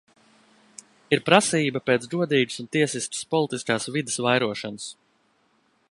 Ir prasība pēc godīgas un tiesiskas politiskās vides vairošanas.